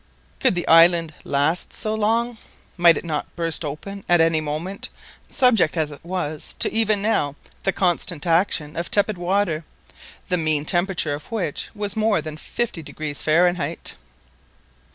Could the island last so long? Might it not burst open at any moment, subject as it was even now to the constant action of tepid water, the mean temperature of which was more than 50° Fahrenheit?